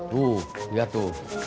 tuh lihat tuh